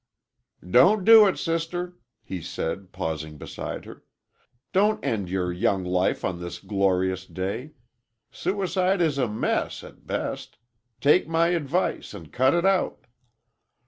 "Don't do it, sister!" he said, pausing beside her. "Don't end your young life on this glorious day! Suicide is a mess, at best. Take my advice and cut it out!"